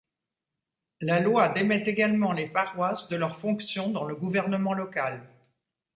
La loi démet également les paroisses de leur fonction dans le gouvernement local.